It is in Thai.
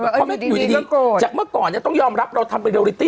ก็อ่ะเขาไม่หรือก็จากเมื่อก่อนจะต้องยอมรับเราทำเป็น